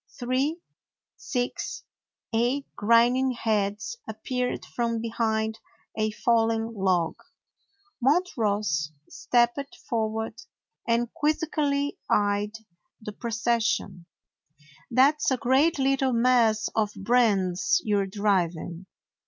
Three, six, eight grinning heads appeared from behind a fallen log. Montross stepped forward and quizzically eyed the procession. 105 DOG HEROES OF MANY LANDS "That 's a great little mess of brands you 're driving.